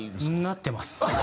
なってます。